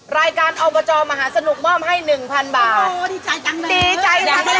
รายการออกประจอมมหาสนุกม่อมให้๑๐๐๐บาทโอ้โหดีใจจังเลย